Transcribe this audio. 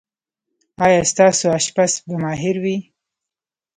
ایا ستاسو اشپز به ماهر وي؟